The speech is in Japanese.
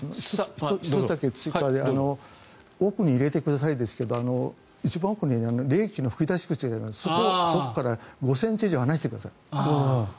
１つだけ追加で奥に入れてくださいですが一番奥に冷気の吹き出し口があるんですがそこから５ｃｍ以上離してください。